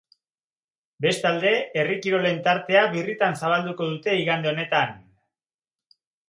Bestalde, herri kirolen tartea birritan zabalduko dute igande honetan.